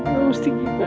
aku harus di gimana